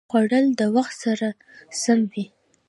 خوړل د وخت سره سم وي